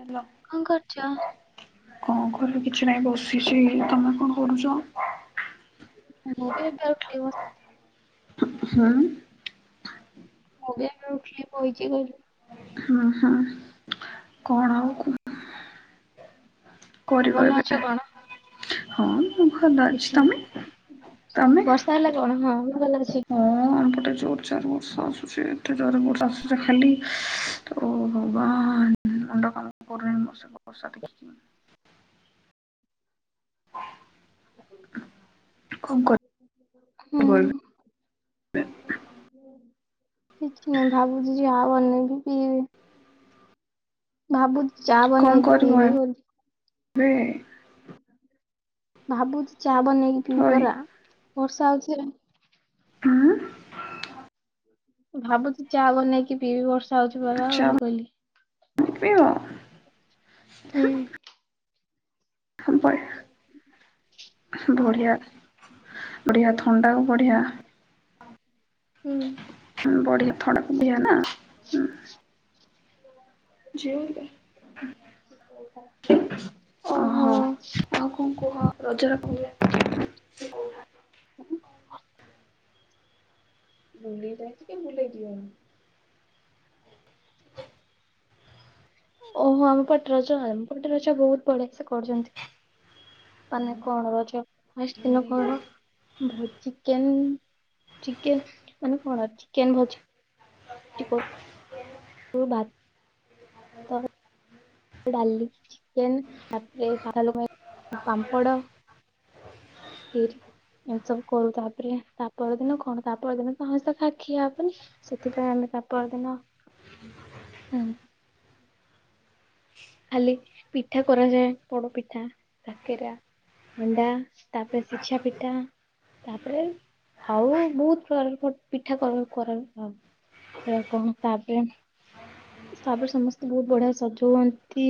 Hello କଣ କରୁଛ? କଣ କରିବି କିଛି ନାଇଁ ବସିଛି ତମେ କଣ କରୁଛ? ମୁ ବି। [unintelligible] ହଁ। ଏଇନା ଉଠିକି ବଇଚି ଘରେ। ହୁଁ ହୁଁ କଣ ଆଉ କୁହ? କରିବ ଭଲ ଏବେ ଅଛ କଣ? ହଁ। ଭଲ ଅଛି, କିଛି ତମେ ନାହିଁ। ତମେ? ବର୍ଷା ହେଲା କଣ? ହଁ ମୁଁ ଭଲ ଅଛି। ଜୋର ଚାର ବର୍ଷା ଆସୁଛି ଏତେ ଜୋର ବର୍ଷା ଆସୁଛି ଖାଲି ତ ବା ମୁଣ୍ଡ କାମ କରୁ ବର୍ଷା ଦେଖିକି। [unintelligible] ହୁଁ [unintelligible] କିଛି ନହିଁ ଭାବୁଛି ଯେ ଆଉ ନେ। [inaudible] ଭାବୁଛି ଚା କଣ ବନେଇବି କରିବ ପିଇବି। [inaudible] [unintelligible] ଭାବୁଛି। ଚା ବନେଇକି ପିଇବି ହଇ ପରା। ବର୍ଷା ହଉଛି। ହଁ। ମୁ ଭାବୁଛିି ଚାହା ବନେଇକି ପିଇ ବର୍ଷ ଚା ଯାଉଛି [unintelligible] କଇଲି। ହ। [unintelligible] ବଢିଆ। ବଢିଆ ଥଣ୍ଡା କୁ ବଢିଆ ହୁଁ। ବଢିଆ ଥଣ୍ଡା କ ବଢିଆ ନା ହୁଁ। ଜିଉ ଓହୋ ଆଉ କଣ କୁହ? ରଜର। [unintelligible] [unintelligible] ବୁଲେଇ ଯାଇ ଟିକେ ବୁଲେଇ ଯିବା। ଓହୋ ଆମ ପଟ ରଛ ଆମ ପଟ ରଛ ବହୁତ ବଢିଆ ସେ କରୁଛନ୍ତି ମାନେ କଣ ରଜ ଫାଷ୍ଟ ଦିନ କଣ? ଚିକେନ୍ ଚିକେନ ମାନେ କଣ ଚିକେନ ଭଜି। ଭା [inaudible] ତ। [inaudible] ଡାଲି, ଚିକେନ ତାପରେ ସାରା ଲୋକ ପାମ୍ପଡ଼, ଖିରି ଏ ସବୁ କରୁ ତାପରେ ତାପର ଦିନ କଣ ତାପର ଦିନ ସମସ୍ତ ଖା ଖିଆ ପାଇଁ ସେଥିପାଇଁ ଆମେ ତାପର ଦିନଁ ହୁଁ। ଖାଲି ପିଠା କରାଯାଏ ପୋଡ ପିଠା, କାକେରା, ଅଣ୍ଡା, ତାପରେ ସିଛା ପିଠା, ତାପରେ ଆଉ ବହୁତ ପ୍ରକାର ପିଠା କରପ କଣ ତାପରେ ତାପରେ ସମସ୍ତେ ବହୁତ ବଢିଆ ସଜ ହୁଅ ତି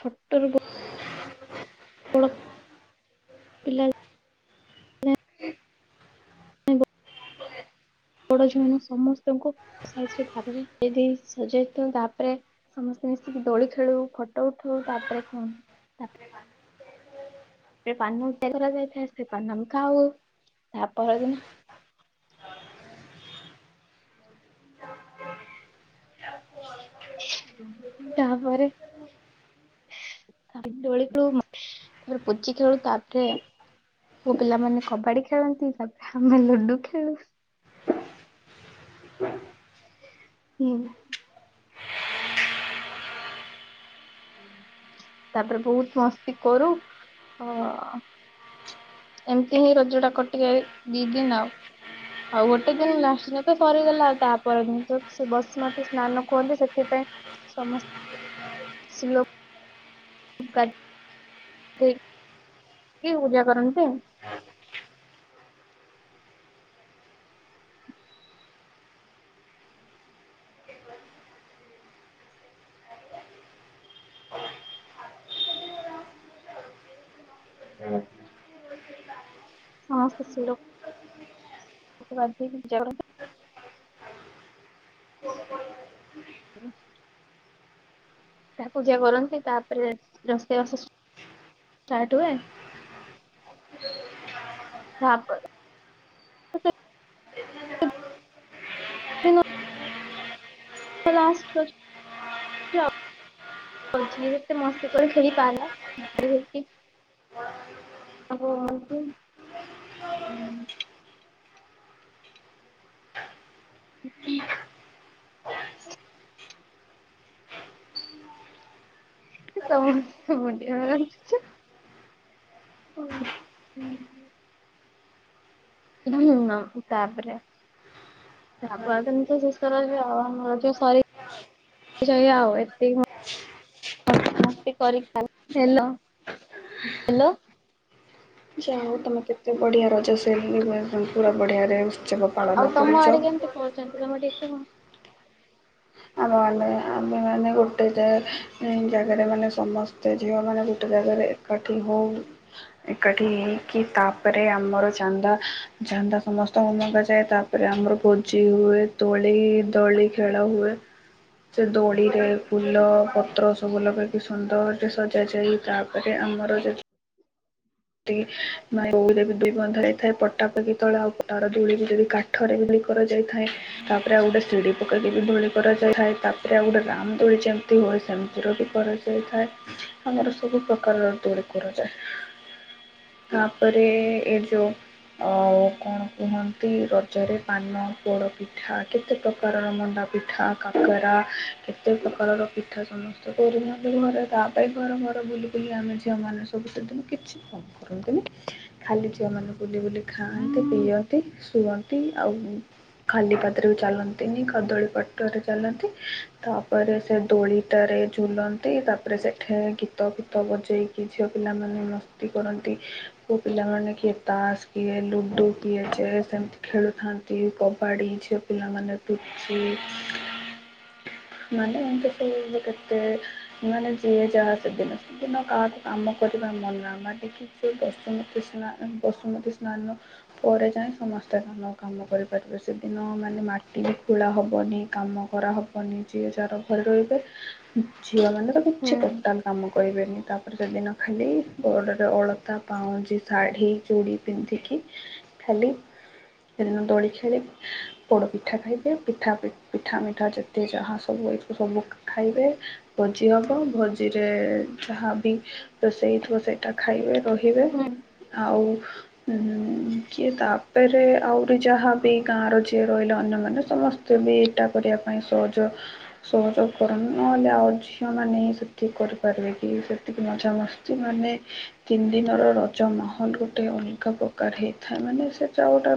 ଛଟର ବର୍ [inaudible] ପିଲା। ଆ। [unintelligible] ବଡ ଝିଆମାନେ ସମସ୍ତଙ୍କୁ ତାପରେ ଯଦି ସଜେଇଥାଉ ତାପରେ ସମସ୍ତେ ମିଶିକି ଦୋଳି ଖେଳୁ ଫଟୋ ଉଥୋଉ ତାପରେ କଣ? ପାନ କରାଯାଇଥାଏ, ସେ ପାନ ଆମେ ଖାଉ, ତା ପରଦିନ ତାପରେ ଦୋଳି ଖେଳୁ, ତାପରେ ପୁଚି ଖେଳୁ, ତାପରେ ମୋ ପିଲାମାନେ କବାଡି ଖେଳନ୍ତି, ତାପରେ ଆମେ ଲୁଡୁ ଖେଳୁ। ହୁଁ। ତାପରେ ବହୁତ ମସ୍ତି କରୁ ଅ ଏମିତି ହିଁ ରଜ ଟା କଟିକେ ଦି ଦିନ ଆଉ। ଆଉ ଗୋଟେ ଦିନ ଲାଷ୍ଟ ତ ସରିଗଲା ଆଉ ତାପ ଦିନ ତ ସେ ବସୁମତୀ ସ୍ନାନ କୁହନ୍ତି ସେଥିପାଇଁ ସମସ୍ତେ ସେ ଲୋ [unintelligible] ପୂଜା କରନ୍ତି ଆଉ। [unintelligible] ହଁ। ସମସ୍ତସ ଲ। [unintelligible] [unintelligible] ହ। ତା ପୂଜା କରନ୍ତି ତାପରେ ରସ୍ତବାସ ଷ୍ଟାର୍ଟ ହୁଏ। ହପ ଏ ବାଉୁ [unintelligible] ଝେ ମସ୍ତି କରି ଖେ ପ ଆ [unintelligible] ସମସ୍ତ [unintelligible] ହୁଁ ହଁ। ହ ତାପରେ ତାପ ଶଷର ଏସ୍ଲ ଯା ହଉ ତମେ କେତେ ବଢିଆ ରଜ ସେ ପୁରା ବଢିଆ ରେ ଆଉ ତମ ଆଡେ କେମିତି କରୁଛନ୍ତି ତମେ ଟିକେ [unintelligible] ଆଉ ଆମେ ଆମେମାନୋନ ଗୋଟେ ଜାଗାରେ ମାନେ ସମସ୍ତେ ଝିଅମାନୋନେ ଗୋଟେ ଜାଗାରେ ଏକାଠି ହଉ ଏକାଠି ହେଇକି ତାପରେ ଆମର ଚାନ୍ଦା ଚାନ୍ଦା ସମସ୍ତଙ୍କୁ ମଗାଯାଏ ତାପରେ ଆମର ଭୋଜି ହୁଏ ଦୋଳି ଦୋଳି ଖେଳ ହୁଏ। ସେ ଦୋଳିରେ ଫୁଲ ପତ୍ର ସବୁ ଲଗେଇକି ସୁନ୍ଦରରେ ସଜାଯାଏ ତାପରେ ଆମର ଯ ଉରେ ଦୁଇ ବନ୍ଧରେଇ ଥାଏ ପଟା ପକି ତଳେ ଆଉ ତର ଦୁଳି ବି ଯଦି କାଠରେ ବି କରାଯାଇଥାଏ ତାପରେ ଆଉ ଗୋଟେ ସିଢ଼ି ପକେଇକି ବି ଦୋଳି କରାଯାଇଥାଏ ତାପରେ ଆଉ ଗୋଟେ ରାମଦୋଳି ଯେମିତି ହୁଏ ସେମିତିର ବି କରାଯାଇଥାଏ ଆମର ସବୁ ପ୍ରକାରର ତରି କରାଯାଏ। ତାପରେ ଏ ଯୋଉ ଅ କଣ କୁହନ୍ତି ରଜରେ ପାନ ପୋଡ ପିଠା କେତେ ପ୍ରକାରର ମଣ୍ଡା ପିଠା କାକରା କେତେ ପ୍ରକାରର ପିଠା ସମସ୍ତେ କରିଦିଅନ୍ତୁ ଘରେ ତା ପାଇଁ ଘର ଘର ବୁଲି ବୁଲି ଆମେ ଝିଅମାନେ ସବୁ ସେଦିନ କିଛି କଣ କରନ୍ତୁନି ଖାଲି ଝିଅମାନଙ୍କୁ ବୁଲି ବୁଲି ଖାଆନ୍ତି ପିଇଅନ୍ତି। ଶୁଅନ୍ତି ଆଉ ଖାଲି ପାଦରେ ବି ଚାଲନ୍ତିନି କଦଳୀପଟରେ ଚାଲନ୍ତି ତାପରେ ସେ ଦୋଳିଟାରେ ଝୁଲନ୍ତି ତାପରେ ସେଠି ଗୀତ ଫୀତ ବଜେଇକି ଝିଅ ପିଲାମାନେ କରନ୍ତି ପ ପିଲାମାନେ କିଏ ତାସ କିଏ ଲୁଡୁ କିଏ ଚେସ୍ ଏମିତି ଖେଳୁଥାନ୍ତି କବାଡି ଝି ପିଲାମାନେ ତୁଚି ମାନେ ଏମିତି ସବୁ କେତେ ମାନେ ଯିଏ ଯାହା ସେଦିନ ସେଦିନ କାହାକୁ କାମ କରିବା ମନେ ମା ଟିକି ଯେ ବସୁମତିୀ ସ୍ନ ବସୁମତୀ ସ୍ନାନ ପରେ ଯାଇଏ ସମସ୍ତେ କାମ କରିପାରିବେ ସେଦିନ ମାନେ ମାଟି ବି ଖୋଳା ହେବନି କାମ କରାହବ। ନି ଝିଅ ଯର ଘରେ ରହିବେ ଝିଅ ମାନେ ତ ହୁଁ କିଛି ଟୋଟାଲ କାମ କହିବେନି ତାପରେ ସେଦିନ ଖାଲି ବଡ଼ରେ ଅଳତା ପାଉଁଜି ଶାଢ଼ୀ ଚୁଡ଼ି ପିନ୍ଧିକି ଖାଲି ସେଦିନ ଦଳି ଖେଳି ପୋଡ଼ପିଠା ଖାଇବେ ପିଠା ପିଠା ମିଠା ଯେତେ ଯାହା ସବୁ ଏସବୁ ସବୁ ଖାଇବେ ଭୋଜି ହେବ ଭୋଜିରେ ଯାହାବ ରୋଷେଇ ଥିବ ସେଇଟା ଖାଇବେ। ରହିବେ ହୁଁ ଆଉ। ହଁ କିଏ ତାପରେ ଆହୁରି ଯାହା ବି ଗାଁର ଝିଏ ରହିଲେ ଅନ୍ୟମାନୋନ ସମସ୍ତେ ବି ଏଇଟା କରିବା ପାଇଁ ସହଜ ସହଯୋଗ କରନ୍ତି ନହେଲେ ଆଉ ଝିଅ ମାନେ ହିଁ ସେତିକି କରିପାରିବେ କି ସେତିକି ମଜା ମସ୍ତି ସେ ମାନେ ତିନି ଦିନର ରଜମହଲ ଗୋଟେ ଅଲଗା ପ୍ରକାର ହେଇଥାଏ ମାନେ ସେ ଯଉଟା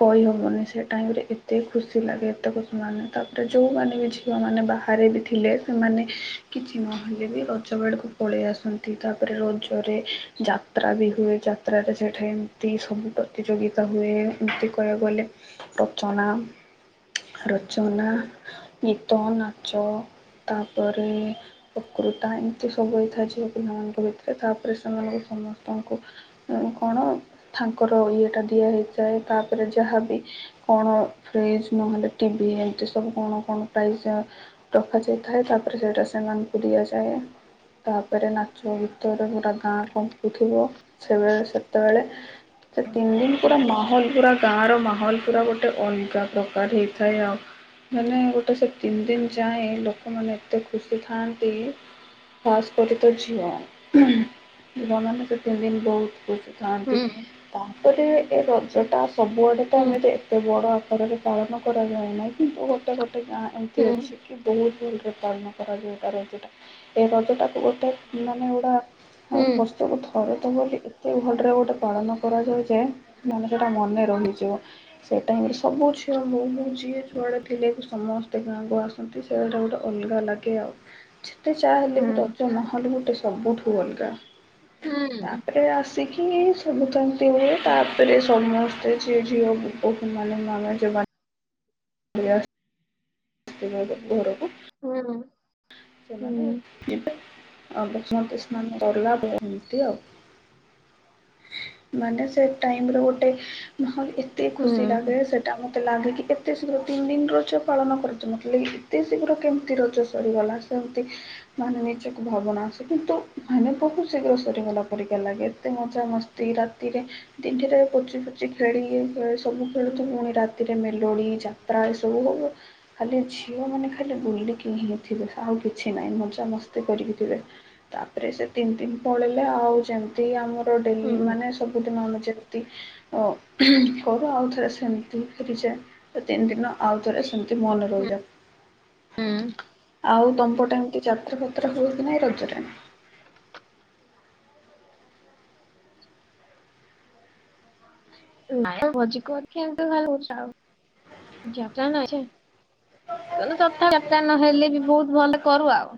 କହିହବନି ସେ ଟାଇମ ରେ ଏତେ ଖୁସି ଲାଗେ ଏତେକ ସେମାନେ ତାପରେ ଯୋଉମାନେ ବି ଝିଅମାନୋନ ବାହାରେ ବି ଥିଲେ ସେମାନେ କିଛି ନହେଲେ ବି ରଜ ବଳକୁ ପଳେଇ ଆସନ୍ତି। ତାପରେ ରୋଜରେ ଯାତ୍ରା ବି ହୁଏ ଯାତ୍ରାରେ ସେଠା ଏମିତି ସବୁ ପ୍ରତିଯୋଗିତା ହୁଏ ଏମିତି କହିବାକୁ ଗଲେ ରଚନା ରଚନା ଗୀତ ନାଚ ତାପରେ ପକୁର ଟା ଏମତି ସବୁ ହେଇଥା ଯିବ। ହୋଇଥିଲେ ତାପରେ ସେମାନଙ୍କୁ ସମସ୍ତଙ୍କୁ କଣ ତାଙ୍କର ଇଏଟା ଦିଆ ହେଇଯାଏ ତାପରେ ଯାହାବି କଣ ଫ୍ରିଜ ନହେଲେ ଟିଭି ଏମିତି ସବୁ କଣ କଣ ପ୍ରାଇଜ ରଖାଯାଇଥାଏ ତାପରେ ସେଇଟା ସେମାନଙ୍କୁ ଦିଆଯାଏ ତାପରେ ନା। ଯଉ ଭିତରେ ପୁରୁରା ଗାଁ କଣଙ୍କୁୁଥିବ ସେବେଳେ ସେତେବେଳେ ସେ ତିନି ଦିନ ପୁରା ମାହୋଲ ପୁରା ଗାଁର ମାହୋଲ ପୁରା ଗୋଟେ ଅଲଗା ପ୍ରକାର ହେଇଥାଏ ଆଉ ମାନେ ଗୋଟେ ସେ ତିନି ଦିନ ଯାଏ ଲୋକମାନେ ଏତେ ଖୁସି ଥାଆନ୍ତି ଖାସ୍ କରି ତ ଝିଅ ଝିଅମାନେ ସେ ତିନି ଦିନ ବହୁତ ପଛିଥାନ୍ତି ହୁଁ ତା ଏ ରଜ ଟା ସବୁଆଡ଼େ ତ ହୁଁ ଏମେତି ଏତେ ବଡ଼ ଘରରେ ପାଳନ କରାଯାଏ ନାହିଁ କିନ୍ତୁ ଗୋଟେ ଗେ ଗୋଟେ ଗାଁ ଏମିତି ଅଛି ହୁଁ କି ବହୁତ। ଯେ ପାଳନ କରାଯାଏ ତା ରଜଟା ଏ ରଜଟାକୁ ଗୋଟେ ମାନେ ଏଟା ଆଉ ବସ୍ତୁକୁ ଥରେ ତ ବୋଲି ଏତେ ଭଲରେ ଗୋଟେ ପାଳନ କରାଯାଉ ଯେ ନେ ସେଟା ମନେ ରହିଛିବ। ସେଇଟା ହ ସବୁ ଝିଅ ମୁ ମୋ ଯିଏ ଛୁଆଡେ ଥିଲେ ସମସ୍ତେ ଗାଁକୁ ଆସନ୍ତି ସେଇଗୁଟା ଗୋଟେ ଅଲଗା ଲାଗେ ଆଉ। ଗତେ ଚାହା ହେଲେ ହୁଁ ବି ରଜ ନହେ ସବୁଠୁ ଅଲଗା। ହୁଁ ତାପରେ ଆସିକି ସବୁତ ଇମିତି ହୁଏ। ରେ ସମସ୍ତେ ସିଏ ଝିଅ ବୋଉ ମାନେ ମ ଯ [inaudible] ବ ସେମନେ ହୁଁ ହୁଁ ହୁଁ ବମତ ସେମାନେେ ଡରଲା ଭନ୍ତି ଆଉ ମାନେ ସେ ଟାଇମ ଗୋଟେ ନହେ ଏତେ ଖୁସି ଲାଗେ ହୁଁ ସେଟା ମତେ ମତୋଗେ କି ଏତ ଶୀଘ୍ର ତିନି ଦିନ ର ପାଳନ କର। ମତ ଏତେ ଶୀଘ୍ର କେମିତି ରଜ ସରିଗଲା ସେମତି ମାନେ ନିଜକୁ ଭାବନା ଆସେ କିନ୍ତୁ ମାନେ ବହୁତ ଶୀଘ୍ର ସରିଗଲା ପରିକାର ଲାଗେ ଏତେ ମଜମସ୍ତି ରାତିରେ ଦିନଡିରେ ପୋଚି ପୋଚି ଖେଳି ସବୁ ଖେଳୁଥିଲୁ ପୁଣି ରାତିରେ ମେଲୋଡି। ଚାଟାରା ସବ ଖାଲି ଝିଅ ମାନେ ଖାଲି ବୁଲିକି ହିଁ ଥିବେ ଆଉ କିଛି ନାହିଁ ମଜା ମସ୍ତି କରିକି ଥିବେ ତାପରେ ସେ ତିନି ଦିନ ପଳେଇଲେ ଆଉ ଯେମିତି ଆମର ହୁଁ ମାନେ ସବୁଦିନ ଯେମତି ଅ ଘରୁ ଆଉଥରେ ସେମିତି ଫେରିଯାଏ ତିନି ଦିନ ଆଉଥରେ ସେମିତି ମନେ ହୁଁ ରହିଯାଉ ଆଉ। ଦମ୍ପଟ ଏମିତି ଯାତ୍ରା ଫାତ୍ରା ହୁଏ କି ନାଇ ରଜରେ ନ ଭୋଜି କରଛଉ ଯଥା ଯାତା ନହେଲେ ବି ବହୁତ ଭଲ କରୁ ଆଉ।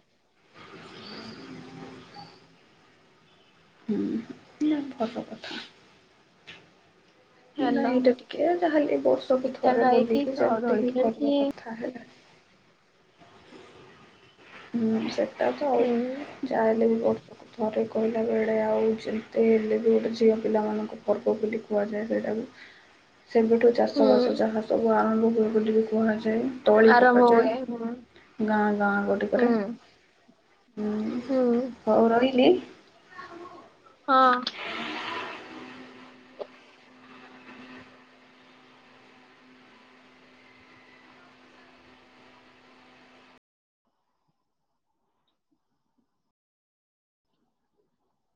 ଫଟ କଥା। ନାଇଁ ହାଲୋ ଏଇଟା ଟିକେ ଯାହା ହେଲେ ବି ବର୍ଷକୁ ପିଠା ଥରେ ଖାଇକି ବୋଲିକି ତ ଯେମିତି ଦୋଳି ହିଁ କରିବା ଖେଳିକି କଥା ହେଲାଣି। ହୁଁ ସେ ଟ ତ ଆଉ ହୁଁ ଜାହେଲେ ବି ବହୁତ ତା ଥରେ କହିଲା ବେଳେ ଆଉ ଯେମିତି ହେଲେ ବି ଗୋଟେ ଝିଅ ପିଲାମାନଙ୍କୁ ପର୍ବ ବୋଲି କୁହାଯାଏ ସେଇଟାକୁ ସେବେଠୁ ଚାଷବାସ ହୁଁ ଯାହା ସବୁ ଆରମ୍ଭୁ। ବୋଲି ବି କୁହାଯାଏ। ତଳି ଆରମ୍ଭ ହୁଏ ହୁଁ ପକାଯାଏ ଗାଁ ଗାଁ ଗୋଟେ। ଉପରେ। ହୁଁ ହୁଁ ହଉ ରହିଲି। ହଁ।